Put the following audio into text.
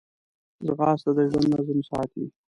ځغاسته د ژوند نظم ساتي